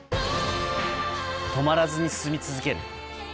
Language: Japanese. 止まらずに進み続ける。